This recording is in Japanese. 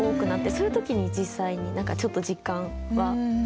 そういう時に実際に何かちょっと実感はします。